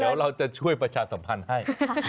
เดี๋ยวเราจะช่วยประชาสัมพันธ์ให้